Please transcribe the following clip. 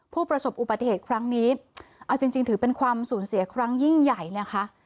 ผู้ประสบอุบัติเหตุครั้งนี้เอาจริงถือเป็นความสูญเสียครั้งยิ่งใหญ่นะคะ